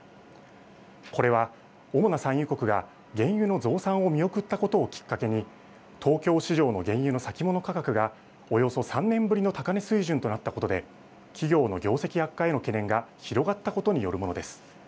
これは主な産油国が原油の増産を見送ったことをきっかけに東京市場の原油の先物価格がおよそ３年ぶりの高値水準となったことで企業の業績悪化への懸念が広がったことによるものです。